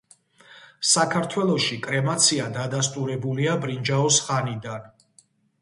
საქართველოში კრემაცია დადასტურებულია ბრინჯაოს ხანიდან.